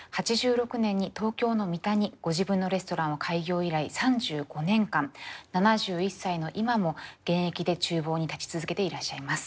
８６年に東京の三田にご自分のレストランを開業以来３５年間７１歳の今も現役で厨房に立ち続けていらっしゃいます。